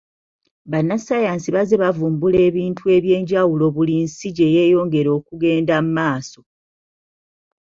Bannasayansi bazze bavumbula ebintu eby'enjawulo buli nsi gye yeyongera okugenda maaso.